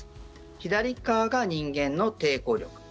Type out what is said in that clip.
左側が人間の抵抗力。